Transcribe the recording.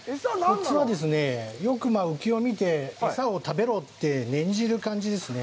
コツはですね、よく浮きを見て、餌を食べろって念じる感じですね。